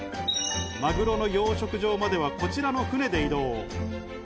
マグロの養殖場まではこちらの船で移動。